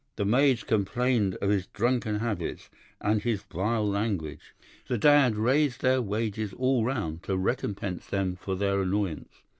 The maids complained of his drunken habits and his vile language. The dad raised their wages all round to recompense them for the annoyance.